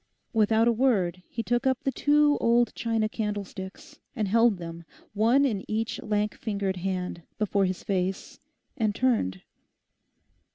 Without a word he took up the two old china candlesticks, and held them, one in each lank fingered hand, before his face, and turned.